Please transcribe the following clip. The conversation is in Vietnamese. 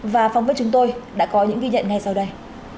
và phóng viên chúng tôi đã có những ghi nhận ngay sau đây